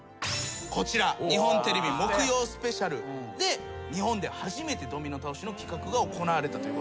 日本テレビ『木曜スペシャル』で日本で初めてドミノ倒しの企画が行われたということで。